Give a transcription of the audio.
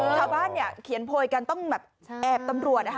ชาวบ้านเขียนโพยกันต้องแอบตำรวจ